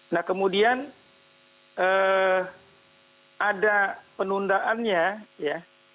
nah kemudian ada penundaannya ya